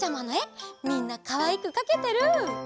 みんなかわいくかけてる！